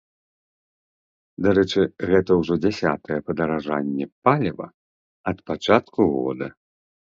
Дарэчы, гэта ўжо дзясятае падаражанне паліва ад пачатку года.